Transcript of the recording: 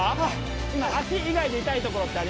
今脚以外で痛い所ってありますか？